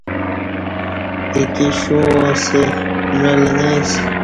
ایکے شووا اسہ معلہ نہ اسہ